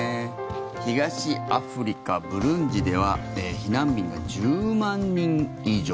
東アフリカ、ブルンジでは避難民が１０万人以上。